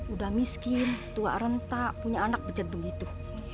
udah miskin tua rentak punya anak becet dong gitu